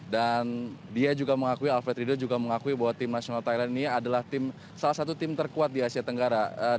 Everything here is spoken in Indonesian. dan dia juga mengakui alfred riedel juga mengakui bahwa tim nasional thailand ini adalah salah satu tim terkuat di asia tenggara